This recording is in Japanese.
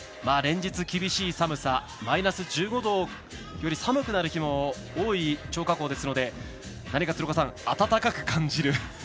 連日、厳しい寒さマイナス１５度より寒くなる日も多い張家口ですので何か、暖かく感じる。